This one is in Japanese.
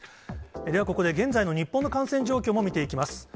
ではここで、現在の日本の感染状況も見ていきます。